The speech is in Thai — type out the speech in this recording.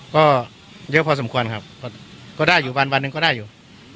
ก็เยอะพอสมควรครับก็ได้อยู่วันหนึ่งก็ได้อยู่